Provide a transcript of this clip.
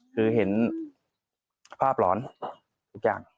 คือเห็นภาพหลอนทุกอย่าง